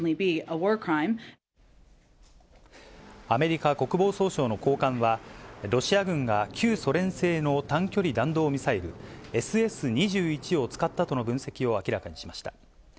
アメリカ国防総省の高官は、ロシア軍が旧ソ連製の短距離弾道ミサイル、ＳＳ２１を使ったとの分析を明らかにしました。